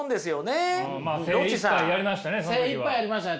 精いっぱいやりましたね